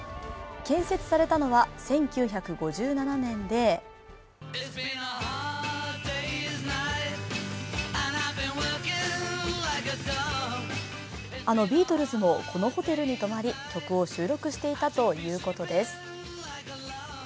建設されたのは１９５７年であのビートルズもこのホテルに泊まり曲を収録していたということです。